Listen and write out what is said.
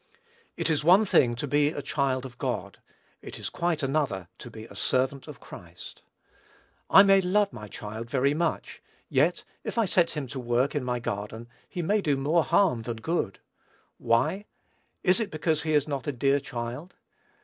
It is one thing to be a child of God; it is quite another to be a servant of Christ. I may love my child very much, yet, if I set him to work in my garden, he may do more harm than good. Why? Is it because he is not a dear child?